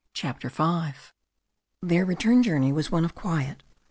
CHAPTER V Their return journey was one of quiet.